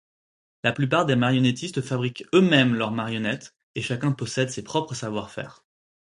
La plupart des marionnettistes fabriquent eux-mêmes leurs marionnettes, et chacun possède ses propres savoir-faire.